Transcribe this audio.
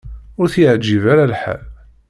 Ur t-yeɛjib ara lḥal.